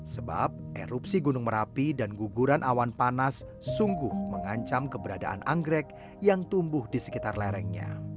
sebab erupsi gunung merapi dan guguran awan panas sungguh mengancam keberadaan anggrek yang tumbuh di sekitar lerengnya